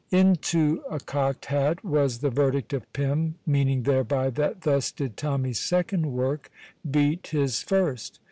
"Into a cocked hat," was the verdict of Pym, meaning thereby that thus did Tommy's second work beat his first.